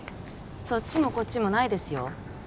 そっちもこっちもないですよ